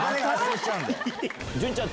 潤ちゃん